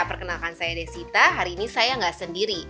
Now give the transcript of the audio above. perkenalkan saya desita hari ini saya nggak sendiri